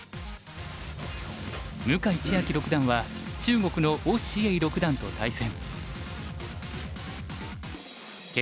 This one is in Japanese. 向井千瑛六段は中国の於之瑩六段と対戦。